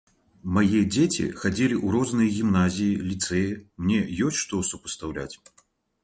Мае дзеці хадзілі ў розныя гімназіі, ліцэі, мне ёсць што супастаўляць.